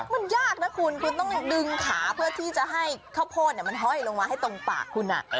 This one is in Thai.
มันยากนะคุณคุณต้องดึงขาเพื่อที่จะให้ข้าวโพดมันห้อยลงมาให้ตรงปากคุณ